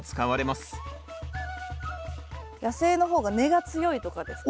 野生の方が根が強いとかですかね。